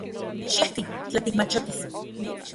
Xiajti — tla tikmachotis.